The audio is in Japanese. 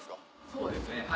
そうですね。